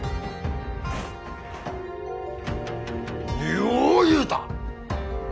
よう言うた！